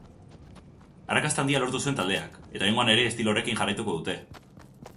Arrakasta handia lortu zuen taldeak, eta oraingoan ere estilo horrekin jarraituko dute.